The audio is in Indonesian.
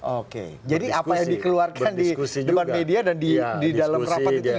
oke jadi apa yang dikeluarkan di depan media dan di dalam rapat itu juga sama ya bang